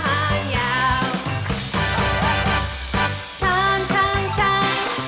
เฮ้ยเฮ้ยเฮ้ยเฮ้ย